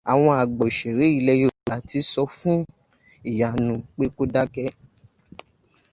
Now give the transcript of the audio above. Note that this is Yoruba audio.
Àwọn àgbà òṣèré ilẹ̀ Yorùbá ti sọ fún Ìyanu pé kó dákẹ́